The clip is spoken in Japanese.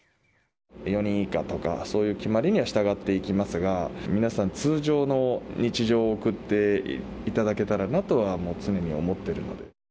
４人以下とか、そういう決まりには従っていきますが、皆さん、通常の日常を送っていただけたらなとは常に思っているので。